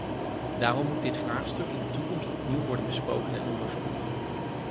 Daarom moet dit vraagstuk in de toekomst opnieuw worden besproken en onderzocht.